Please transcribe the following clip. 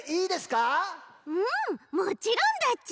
うんもちろんだち。